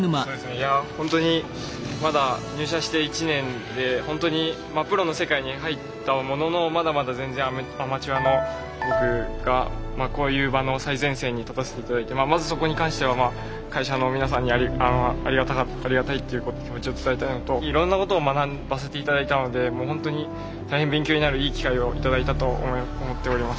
ホントにまだ入社して１年でホントにプロの世界に入ったもののまだまだ全然アマチュアの僕がこういう場の最前線に立たせて頂いてまずそこに関しては会社の皆さんにありがたいっていう気持ちを伝えたいのといろんなことを学ばせて頂いたのでもうホントに大変勉強になるいい機会を頂いたと思っております。